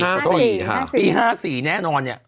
วันนี้ขอเปลี่ยนคำพูดละ